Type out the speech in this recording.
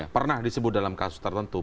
pernah disebut dalam kasus tertentu